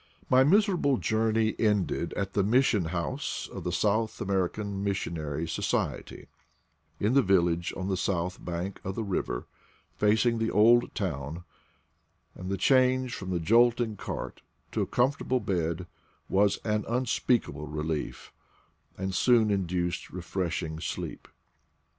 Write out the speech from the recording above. My miserable journey ended at the Mission House of the South American Missionary Society, in the village on the south bank of the river, fac ing the old town; and the change from the jolting cart to a comfortable bed was an unspeakable relief, and soon induced refreshing sleep.